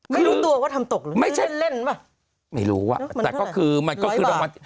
ไม่รู้ตัวว่าทำตกหรือไม่ใช่เล่นป่ะไม่รู้อ่ะแต่ก็คือมันก็คือรางวัล